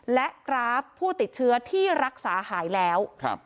และกราฟผู้ติดเชื้อที่รักษาหายแล้ว